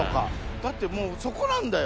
だってもうそこなんだよ